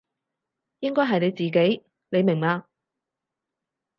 應該係你自己，你明嘛？